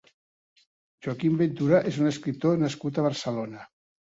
Joaquim Ventura és un escriptor nascut a Barcelona.